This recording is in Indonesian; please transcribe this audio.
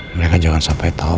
mereka jalan sampai tau